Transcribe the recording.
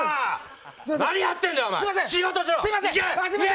何やってんだ、お前！